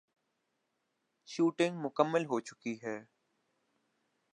shooting مکمل ہوچکی ہے